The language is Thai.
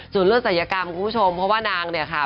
ส่วนเรื่องศัยกรรมคุณผู้ชมเพราะว่านางเนี่ยค่ะ